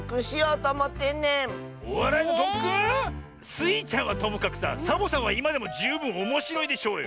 スイちゃんはともかくさサボさんはいまでもじゅうぶんおもしろいでしょうよ！